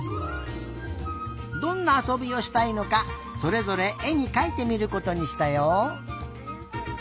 どんなあそびをしたいのかそれぞれえにかいてみることにしたよ。